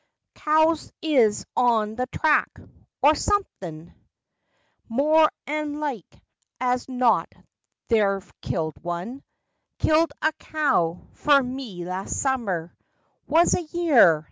Cows is on the track—or somethin'; More an' like as not they've killed one. Killed a cow fer me last summer Was a year!